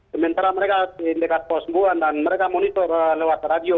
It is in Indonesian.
sementara mereka dekat kesembuhan dan mereka monitor lewat radio